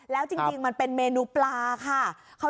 แล้วจริงมันเป็นเมนูปลาค่ะ